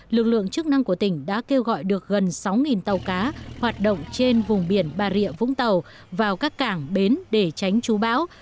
lực lượng chức năng của tỉnh đã kêu gọi được gần sáu tàu cá hoạt động trên vùng biển bà rịa vũng tàu vào các cảng bến để tránh chú bão